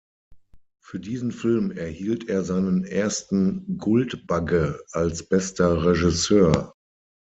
Für diesen Film erhielt er seinen ersten Guldbagge als "Bester Regisseur".